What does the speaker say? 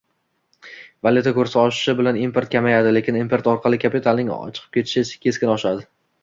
Valyuta kursi oshishi bilan import kamayadi, lekin import orqali kapitalning chiqib ketishi keskin oshadi